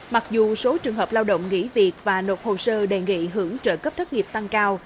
mặc dù số trường hợp lao động nghỉ việc và nộp hồ sơ đề nghị hưởng trợ cấp thất nghiệp tăng cao